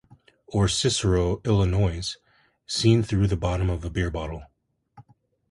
Or Cicero, Illinois, seen through the bottom of a beer bottle.